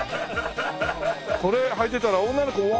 これはいてたら女の子うわ！